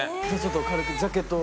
軽くジャケットを。